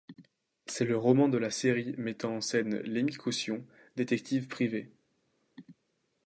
C'est le roman de la série mettant en scène Lemmy Caution, détective privé.